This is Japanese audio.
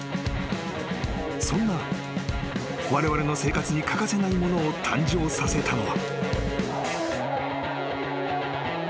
［そんなわれわれの生活に欠かせないものを誕生させたのは］